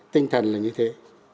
tinh thần là như thế